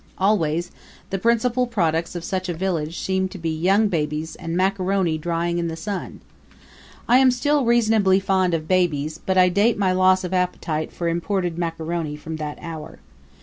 Always the principal products of such a village seemed to be young babies and macaroni drying in the sun. I am still reasonably fond of babies, but I date my loss of appetite for imported macaroni from that hour.